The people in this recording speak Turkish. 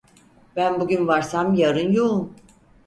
Ben bugün varsam yarın yoğum…